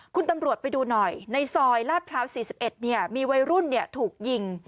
คุณตำรวจไปดูหน่อยในซอยลาดพร้าว๔๑มีวัยรุ่นถูกยิง